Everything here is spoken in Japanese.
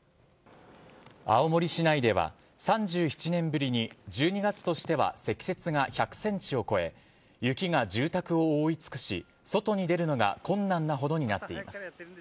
青森市内では３７年ぶりに１２月としては積雪が１００センチを超え、雪が住宅を覆い尽くし、外に出るのが困難なほどになっています。